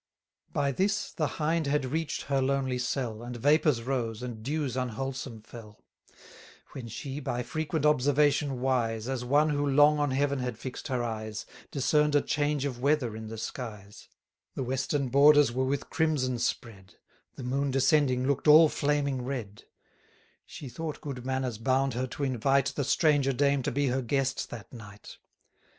By this, the Hind had reach'd her lonely cell, And vapours rose, and dews unwholesome fell. When she, by frequent observation wise, As one who long on heaven had fix'd her eyes, Discern'd a change of weather in the skies; The western borders were with crimson spread, The moon descending look'd all flaming red; She thought good manners bound her to invite 670 The stranger dame to be her guest that night.